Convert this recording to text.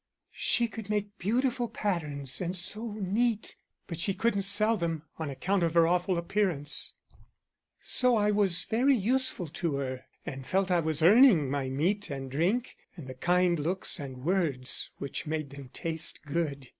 "She could make beautiful patterns and so neat, but she couldn't sell them, on account of her awful appearance. So I was very useful to her, and felt I was earning my meat and drink and the kind looks and words which made them taste good.